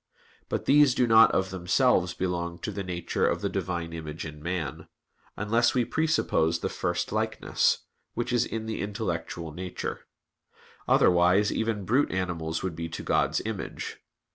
But these do not of themselves belong to the nature of the Divine image in man, unless we presuppose the first likeness, which is in the intellectual nature; otherwise even brute animals would be to God's image.